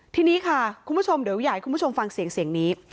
ทีนี้ค่ะคุณผู้ชมเดี๋ยวอยากให้คุณผู้ชมฟังเสียงเสียงนี้